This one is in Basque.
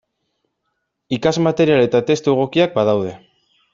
Ikasmaterial eta testu egokiak badaude.